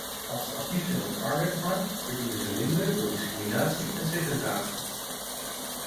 Als ze actief zijn op de arbeidsmarkt verdienen ze minder door discriminatie en segregatie.